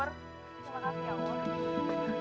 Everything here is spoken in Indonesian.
terima kasih allah